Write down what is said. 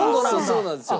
そうなんですよ。